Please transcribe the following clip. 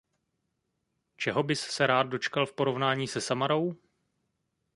Čeho bys se rád dočkal v porovnání se Samarou?